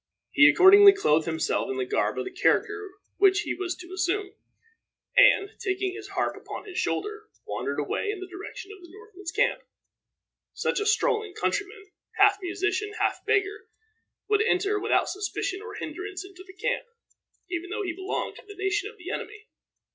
He accordingly clothed himself in the garb of the character which he was to assume, and, taking his harp upon his shoulder, wandered away in the direction of the Northmen's camp. Such a strolling countryman, half musician, half beggar would enter without suspicion or hinderance into the camp, even though he belonged to the nation of the enemy.